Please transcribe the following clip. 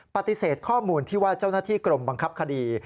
ปฏิเสธข้อมูลที่ว่าเจ้าหน้าที่กรมบังคับคดี